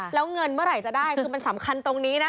แล้วเงินเมื่อไหร่จะได้คือมันสำคัญตรงนี้นะ